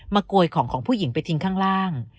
โกยของของผู้หญิงไปทิ้งข้างล่าง